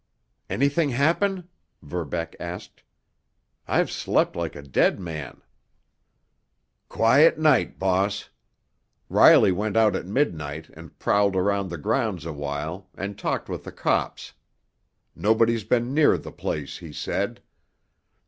"Anything happen?" Verbeck asked. "I've slept like a dead man." "Quiet night, boss. Riley went out at midnight and prowled around the grounds a while and talked with the cops. Nobody'd been near the place, he said.